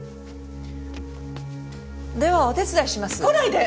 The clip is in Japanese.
ではお手伝いします。来ないで！